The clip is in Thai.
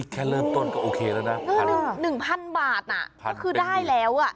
แค่เริ่มต้นก็โอเคแล้วนะ๑๐๐๐บาทก็คือได้แล้วอ่ะ